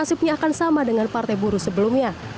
nasibnya akan sama dengan partai buruh sebelumnya